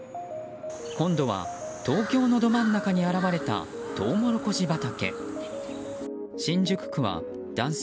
今度は東京のど真ん中に現れたトウモロコシ畑。